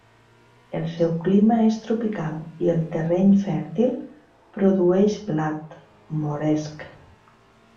El seu clima és tropical i el terreny fèrtil produeix blat, moresc.